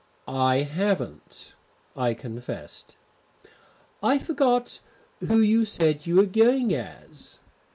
"I haven't," I confessed. "I forgot who you said you were going as?"